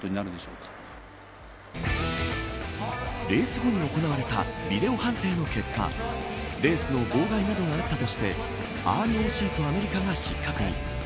レース後に行われたビデオ判定の結果レースの妨害などがあったとしてＲＯＣとアメリカが失格に。